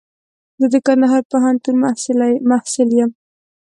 زه د کندهار پوهنتون محصل يم.